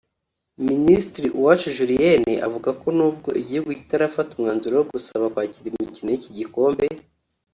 Minisitiri Uwacu Julienne avuga ko nubwo igihugu kitarafata umwanzuro wo gusaba kwakira imikino y’iki gikombe